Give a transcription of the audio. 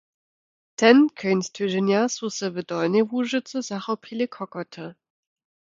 Ten kóńc tyźenja su se w Dolnej Łužycy zachopili kokoty.